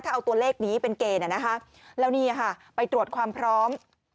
ถ้าเอาตัวเลขนี้เป็นเกณฑ์แล้วนี่ค่ะไปตรวจความพร้อม